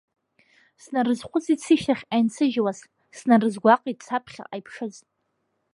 Снарызхәыцит сышьҭахьҟа инсыжьуаз, снарзгәаҟит саԥхьаҟа иԥшыз.